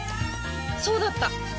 そうだった！